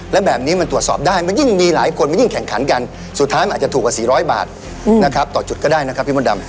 วันนี้ไวไฟคุณบอกว่าแค่ไวไฟอันโยบายสามารถแก้ปัญหา